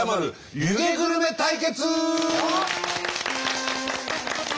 湯気グルメ対決